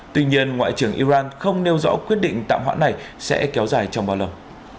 tuy nhiên ngoại trưởng iran không nêu rõ quyết định tạm hoãn này sẽ kéo dài trong bao lâu